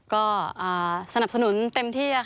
ก็สนับสนุนเต็มที่